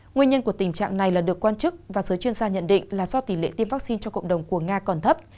nguyên nhân của tình trạng này là được quan chức và giới chuyên gia nhận định là do tỷ lệ tiêm vaccine cho cộng đồng của nga còn thấp